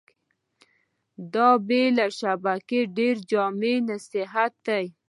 دا بې له شکه ډېر جامع نصيحت دی.